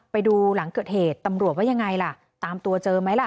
ไปดูหลังเกิดเหตุตำรวจว่ายังไงล่ะตามตัวเจอไหมล่ะ